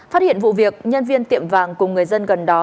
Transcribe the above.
phát hiện vụ việc nhân viên tiệm vàng cùng người dân gần đó